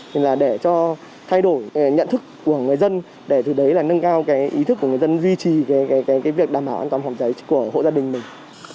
nên là để cho thay đổi nhận thức của người dân để từ đấy là nâng cao cái ý thức của người dân duy trì cái việc đảm bảo an toàn phòng cháy của hộ gia đình mình